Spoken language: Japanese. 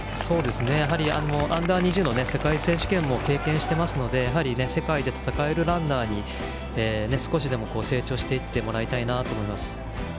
Ｕ−２０の世界選手権も経験しているので世界で戦えるランナーに少しでも成長していってもらいたいなと思います。